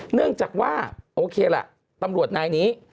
เนื่องจากว่าโอเคล่ะตำรวจนายนี้